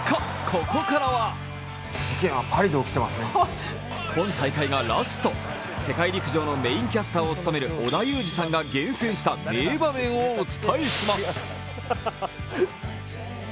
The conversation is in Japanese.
ここからは世界陸上のメインキャスターを務める織田裕二さんが厳選した名場面をお伝えします。